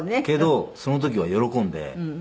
けどその時は喜んで。